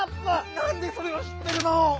なんでそれをしってるの⁉